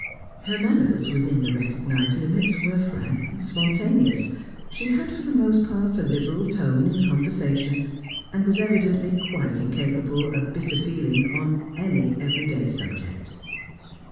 Her manners within the recognised limits were frank, spontaneous; she had for the most part a liberal tone in conversation, and was evidently quite incapable of bitter feeling on any everyday subject.